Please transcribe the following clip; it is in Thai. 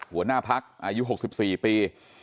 หัวหน้าพักอายุ๖๔ปี